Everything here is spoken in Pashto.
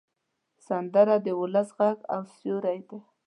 سندره د ولس غږ او سیوری ده